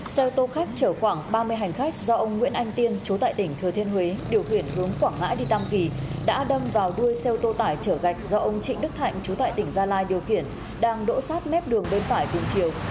xe ô tô khách chở khoảng ba mươi hành khách do ông nguyễn anh tiên chú tại tỉnh thừa thiên huế điều khiển hướng quảng ngãi đi tam kỳ đã đâm vào đuôi xe ô tô tải trở gạch do ông trịnh đức thạnh chú tại tỉnh gia lai điều khiển đang đỗ sát mép đường bên phải cùng chiều